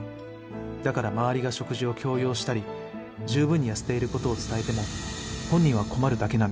だから周りが食事を強要したり十分に痩せている事を伝えても本人は困るだけなんです。